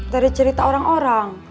dari cerita orang orang